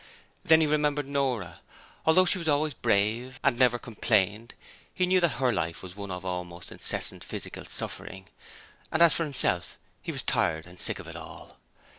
Then he remembered Nora. Although she was always brave, and never complained, he knew that her life was one of almost incessant physical suffering; and as for himself he was tired and sick of it all.